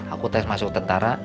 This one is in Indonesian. aku tes masuk tentara